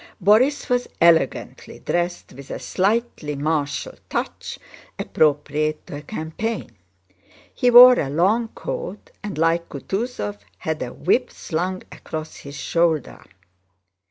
Borís was elegantly dressed, with a slightly martial touch appropriate to a campaign. He wore a long coat and like Kutúzov had a whip slung across his shoulder.